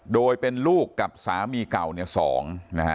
โดยเป็นลูกกับสามีเก่าสอง